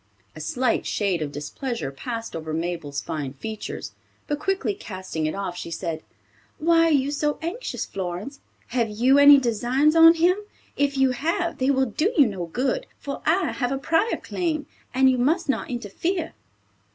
A slight shade of displeasure passed over Mabel's fine features, but quickly casting it off she said, "Why are you so anxious, Florence? Have you any designs on him? If you have, they will do you no good, for I have a prior claim, and you must not interfere."